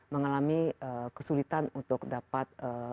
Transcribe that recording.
mengalami kesulitan untuk dapat